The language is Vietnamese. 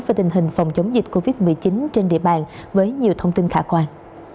và tình hình phòng chống dịch covid một mươi chín trên địa bàn với nhiều thông tin khả quan